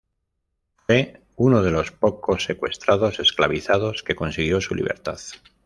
Fue uno de los pocos secuestrados esclavizados que consiguió su libertad.